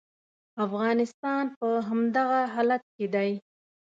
افغانستان په همدغه حالت کې دی.